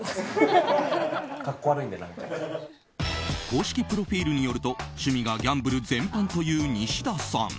公式プロフィールによると趣味がギャンブル全般というニシダさん。